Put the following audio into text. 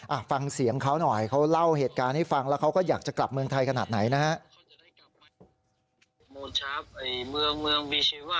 โมชาฟเมืองวิเชว่าอยู่ที่เต้นเมืองวิเชว่านี่ครับ